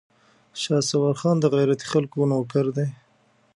شهسوار خان د غيرتي خلکو نوکر دی.